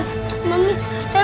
gimana udah berakhir